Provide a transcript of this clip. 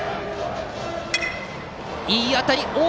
いい当たり！